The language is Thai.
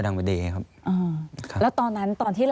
อันดับ๖๓๕จัดใช้วิจิตร